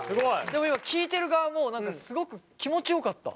でも今聞いてる側もすごく気持ちよかった。